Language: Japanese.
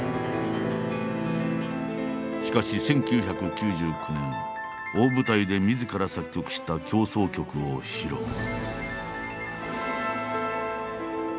しかし１９９９年大舞台でみずから作曲した協奏曲を披露。